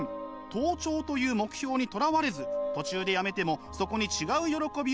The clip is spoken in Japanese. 登頂という目標にとらわれず途中でやめてもそこに違う喜びを得る。